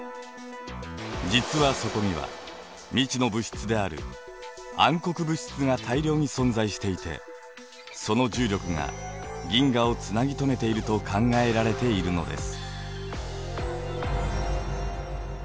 実はそこには未知の物質である暗黒物質が大量に存在していてその重力が銀河をつなぎ止めていると考えられているのです。